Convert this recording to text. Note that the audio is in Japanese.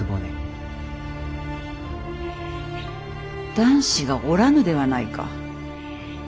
男子がおらぬではないか。